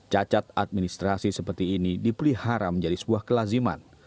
cacat administrasi seperti ini dipelihara menjadi sebuah kelaziman